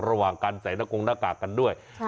ระหว่างการใส่หน้ากงหน้ากากกันด้วย